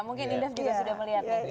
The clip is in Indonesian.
mungkin nidaf juga sudah melihat